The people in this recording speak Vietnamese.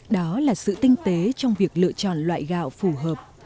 đó là sự tinh tế trong việc lựa chọn loại gạo phù hợp